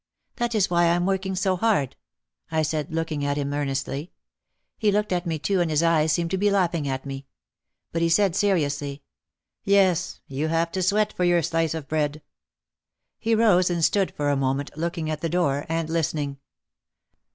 "That is why I am work ing so hard," I said, looking at him earnestly. He looked at me too and his eyes seemed to be laughing at me. But he said seriously, "Yes, you have to sweat for your slice of bread." He rose and stood for a moment looking at the door and listening.